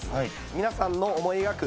皆さんの思い描く